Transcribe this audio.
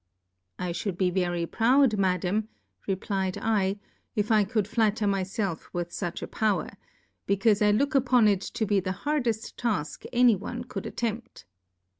I fliould be very Proud, Madam, reflfd 7, if I eould flatter my felf with inch a Power, be caufe I look upon it to be the hardeft Task any one could attempt.